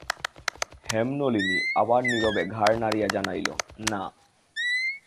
হেমনলিনী আবার নীরবে ঘাড় নাড়িয়া জানাইল, না।